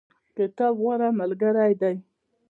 کتاب غوره ملګری دی